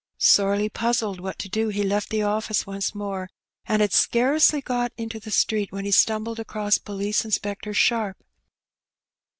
Sorely puzzled what to do, he left the office once more, and had scarcely got into the street when he stumbled across Police iu specter Sharp.